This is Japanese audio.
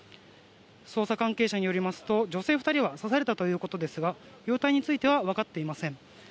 捜査関係者によりますと女性２人は刺されたということですが容体については分かっていません。